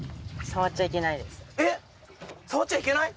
触っちゃいけない？